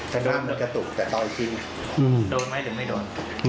กระด้ามรถกระตุกแต่ต่ออีกทีโดนไหมหรือไม่โดน